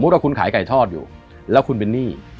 รอดอยู่แล้วคุณไปหนี้